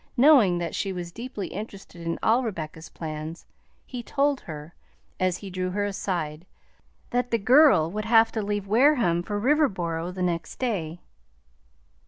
Knowing that she was deeply interested in all Rebecca's plans, he told her, as he drew her aside, that the girl would have to leave Wareham for Riverboro the next day.